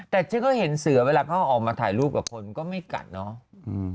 แต่ฉันก็เห็นเสือเวลาเขาออกมาถ่ายรูปกับคนก็ไม่กัดเนาะ